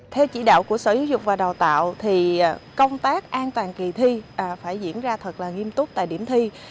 theo chỉ đạo của sở giáo dục và đào tạo thì công tác an toàn kỳ thi phải diễn ra thật là nghiêm túc tại điểm thi